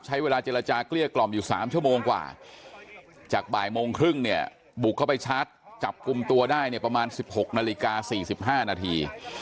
ใช้เวลาเจรจาเกลี้ยกล่อมอยู่๓ชั่วโมงกว่าจากบ่ายโมงครึ่งเนี่ยบุกเข้าไปชาร์จจับกลุ่มตัวได้เนี่ยประมาณ๑๖นาฬิกา๔๕นาที